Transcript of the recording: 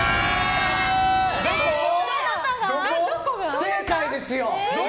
不正解ですよ！